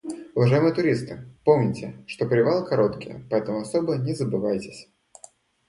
Уважаемые туристы, помните, что привалы короткие, поэтому особо не забывайтесь.